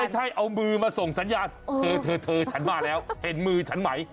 ไม่ใช่เอามือมาส่งสัญญาณเธอเธอฉันมาแล้วเห็นมือฉันไหม